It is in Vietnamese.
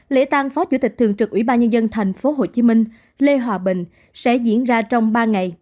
lễ tang phó chủ tịch thường trực tp hcm lê hòa bình sẽ diễn ra trong ba ngày